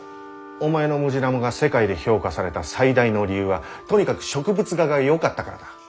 お前のムジナモが世界で評価された最大の理由はとにかく植物画がよかったからだ。